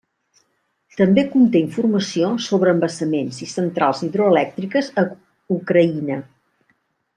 També conté informació sobre embassaments i centrals hidroelèctriques a Ucraïna.